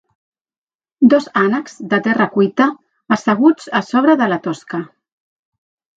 Dos ànecs de terra cuita, asseguts a sobre de la tosca